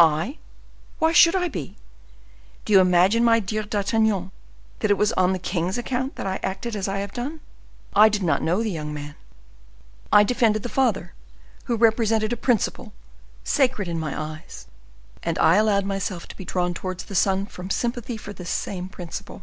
"I! why should I be? Do you imagine, my dear D'Artagnan, that it was on the king's account I acted as I have done? I did not know the young man. I defended the father, who represented a principle—sacred in my eyes, and I allowed myself to be drawn towards the son from sympathy for this same principle.